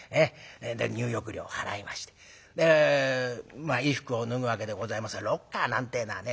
で入浴料払いまして衣服を脱ぐわけでございますがロッカーなんてえのはね